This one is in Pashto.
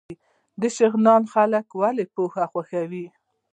شغنان خلک ولې پوهه خوښوي؟